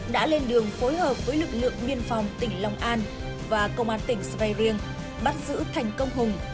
đã lên đường phối hợp với lực lượng nguyên phòng tỉnh long an và công an tỉnh svei riêng bắt giữ thành công hùng